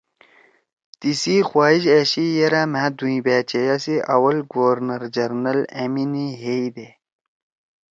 تیسی خواہش أشی یِرأ مھأ دھوئں بأچیئا سی اول گورنر جنرل أمینے ہیئی دے